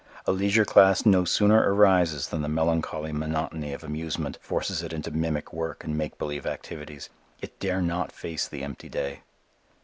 A leisure class no sooner arises than the melancholy monotony of amusement forces it into mimic work and make believe activities. It dare not face the empty day.